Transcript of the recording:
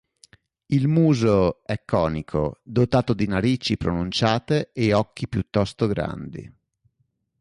Il muso è conico, dotato di narici pronunciate e occhi piuttosto grandi.